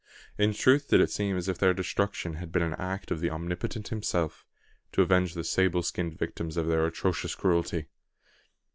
In truth did it seem as if their destruction had been an act of the Omnipotent Himself, to avenge the sable skinned victims of their atrocious cruelty!